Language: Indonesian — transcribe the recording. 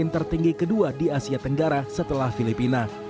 tertinggi kedua di asia tenggara setelah filipina